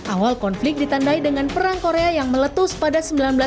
awal konflik ditandai dengan perang korea yang meletus pada seribu sembilan ratus sembilan puluh